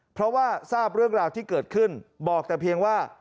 เพราะว่าทราบเรื่องราวที่เกิดขึ้นบอกแต่เพียงว่า